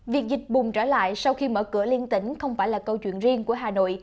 việc dịch bùng trở lại sau khi mở cửa liên tỉnh không phải là câu chuyện riêng của hà nội